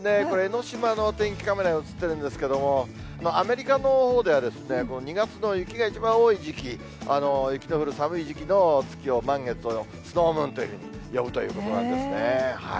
これ、江の島のお天気カメラに映ってるんですけれども、アメリカのほうでは、２月の雪が一番多い時期、雪の降る寒い時期の月を、満月を、スノームーンと呼ぶということなんですね。